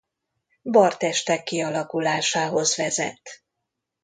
Barr-testek kialakulásához vezet.